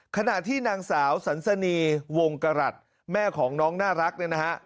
ขณะที่นางสาวสันสนีวงกรัฐแม่ของน้องน่ารักเนี่ยนะฮะ